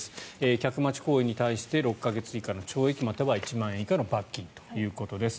客待ち行為に対して６か月以下の懲役または１万円以下の罰金ということです。